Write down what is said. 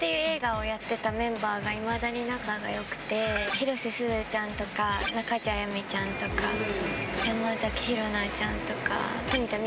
広瀬すずちゃんとか中条あやみちゃんとか山崎紘菜ちゃんとか富田望